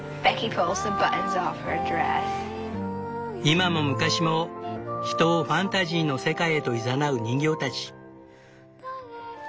今も昔も人をファンタジーの世界へといざなう人形たち。